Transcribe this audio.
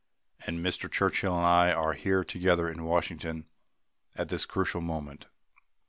And Mr. Churchill and I are here together in Washington at this crucial moment.